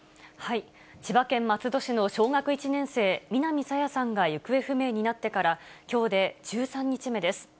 千葉県松戸市の小学１年生、南朝芽さんが行方不明になってからきょうで１３日目です。